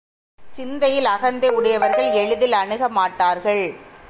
சிந்தையில் அகந்தை உடையவர்கள் எளிதில் அணுகமாட்டார்கள்.